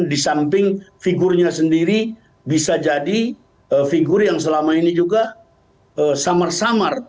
di samping figurnya sendiri bisa jadi figur yang selama ini juga samar samar